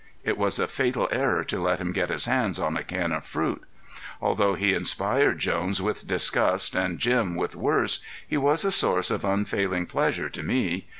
It was a fatal error to let him get his hands on a can of fruit. Although he inspired Jones with disgust and Jim with worse, he was a source of unfailing pleasure to me.